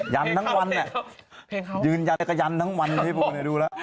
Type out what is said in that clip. ยั้นนั่งวันยืนยั่มกายันตั้งวัน